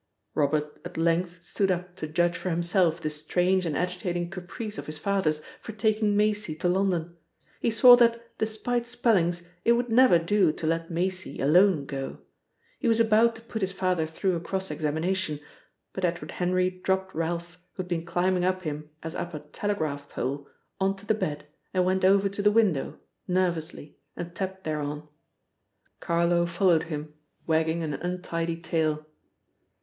Robert at length stood up to judge for himself this strange and agitating caprice of his father's for taking Maisie to London. He saw that, despite spellings, it would never do to let Maisie alone go. He was about to put his father through a cross examination, but Edward Henry dropped Ralph, who had been climbing up him as up a telegraph pole, on to the bed and went over to the window, nervously, and tapped thereon. Carlo followed him, wagging an untidy tail.